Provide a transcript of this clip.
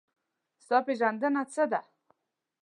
ستا پېژندنه څه ده؟